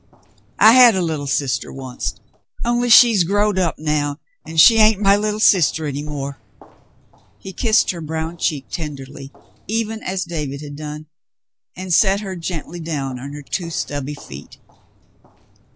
*'I had a little sister oncet, only she's growed up now, an' she hain't my little sister any more." He kissed her brown cheek tenderly, even as David had done, and set her gently down on her two stubby feet.